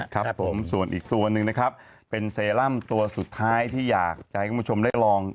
ครับผมส่วนอีกตัวหนึ่งนะครับเป็นเซรั่มตัวสุดท้ายที่อยากจะให้คุณผู้ชมได้ลอง